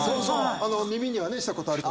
耳にはねしたことあると。